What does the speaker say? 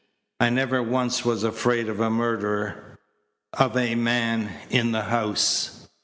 I never once was afraid of a murderer of a man in the house.